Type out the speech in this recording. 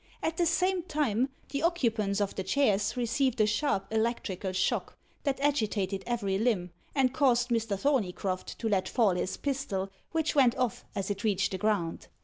At the same time, the occupants of the chairs received a sharp electrical shock, that agitated every limb, and caused Mr. Thorneycroft to let fall his pistol, which went off as it reached the ground.